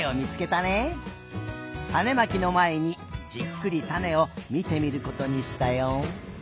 たねまきのまえにじっくりたねをみてみることにしたよ。